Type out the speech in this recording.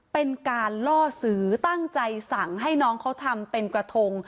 เป็นการล่อซื้อตั้งใจสั่งให้น้องเขาทำเป็นกระทง